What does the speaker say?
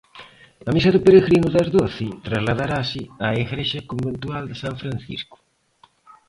A misa do peregrino das doce trasladarase á igrexa conventual de San Francisco.